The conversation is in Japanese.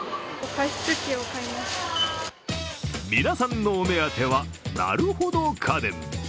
皆さんのお目当ては、なるほど家電。